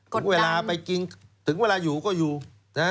ถึงเวลาไปกินถึงเวลาอยู่ก็อยู่นะฮะ